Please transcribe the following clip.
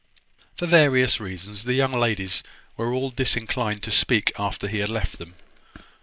For various reasons, the young ladies were all disinclined to speak after he had left them.